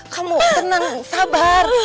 kamu tenang sabar